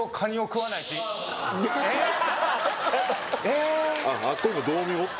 えっ？